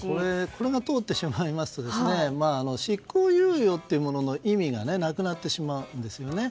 これが通ってしまいますと執行猶予というものの意味がなくなってしまうんですよね。